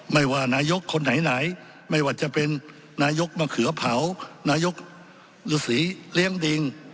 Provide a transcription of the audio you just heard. ไม่ว่านายกคนไหนไม่ว่าจะเป็นนายกมะเขือเผานายกฤษีเลี้ยงดิง